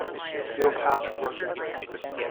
Your cab, Gussie.